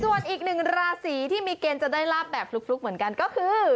ส่วนอีกหนึ่งราศีที่มีเกณฑ์จะได้ลาบแบบฟลุกเหมือนกันก็คือ